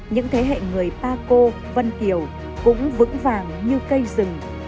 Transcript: những thế hệ người paco vân kiều cũng vững vàng như cây rừng